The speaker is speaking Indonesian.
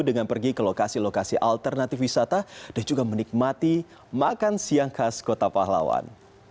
dengan pergi ke lokasi lokasi alternatif wisata dan juga menikmati makan siang khas kota pahlawan